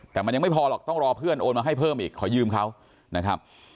แต่มันยังไม่พอหรอกต้องรอเพื่อนโอนมาให้เพิ่มอีกขอยืมเขานะครับ